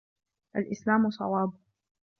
الإسلام صواب.